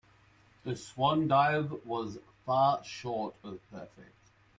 The swan dive was far short of perfect.